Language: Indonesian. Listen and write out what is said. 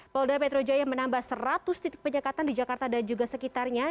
polda metro jaya menambah seratus titik penyekatan di jakarta dan juga sekitarnya